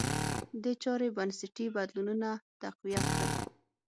دې چارې بنسټي بدلونونه تقویه کړل.